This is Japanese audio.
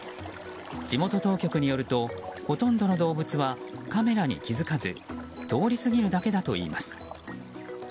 地元当局によるとほとんどの動物はカメラに気付かず通り過ぎるだけだといいます。